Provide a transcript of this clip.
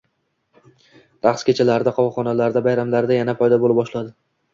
Raqs kechalarida, qovoqxonalarda, bayramlarda yana paydo bo`la boshladi